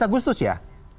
tujuh belas agustus ya